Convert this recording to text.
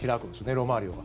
ロマーリオが。